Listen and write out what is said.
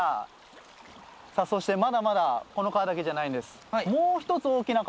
さあそしてまだまだこの川だけじゃないんです。